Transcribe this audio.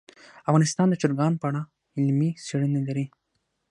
افغانستان د چرګان په اړه علمي څېړنې لري.